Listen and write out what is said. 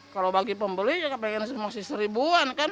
kalau bagi pembeli ya pengen emosi seribuan kan